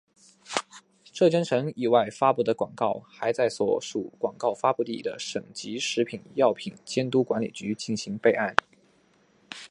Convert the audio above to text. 浙江省以外发布的广告还在所属广告发布地的省级食品药品监督管理局进行备案。